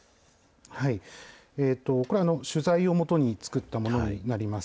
これ、取材を基に作ったものになります。